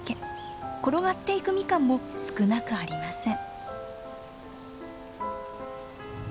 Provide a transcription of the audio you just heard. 転がっていくミカンも少なくありません。